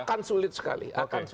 akan sulit sekali